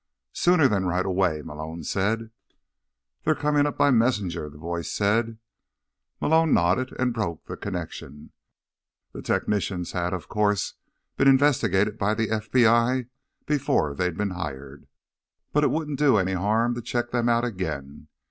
"Sooner than right away," Malone said. "They're coming up by messenger," the voice said. Malone nodded and broke the connection. The technicians had, of course, been investigated by the FBI before they'd been hired, but it wouldn't do any harm to check them out again.